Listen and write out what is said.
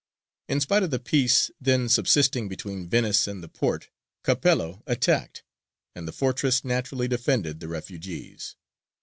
In spite of the peace then subsisting between Venice and the Porte, Capello attacked, and the fortress naturally defended, the refugees.